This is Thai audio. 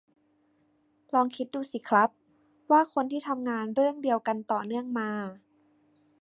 ลองคิดดูสิครับว่า คนที่ทำงานเรื่องเดียวกันต่อเนื่องมา